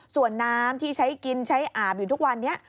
ส่วนน้ำที่ใช้กินใช้อาบอยู่ทุกวันนี้